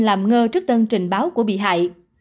làm ngơ trước đơn trình báo của bị hại